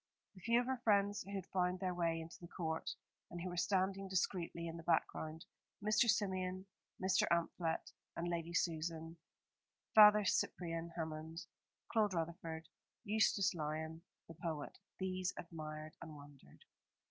The few of her friends who had found their way into the court, and who were standing discreetly in the background, Mr. Symeon, Mr. Amphlett and Lady Susan, Father Cyprian Hammond, Claude Rutherford, Eustace Lyon, the poet these admired and wondered.